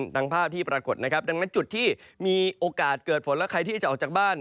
ตามภาพที่ปรากฏนะครับดังนั้นจุดที่มีโอกาสเกิดฝนและใครที่จะออกจากบ้าน